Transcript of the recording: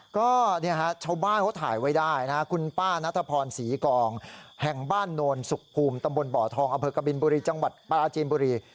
ก็ชาวบ้านเขาถ่ายไว้ได้นะคุณป้านัทพรศรีกองแห่งบ้านโนนสุขภูมิตำบลบ่อทองอำเภอกบินบุรีจังหวัดปราจีนบุรี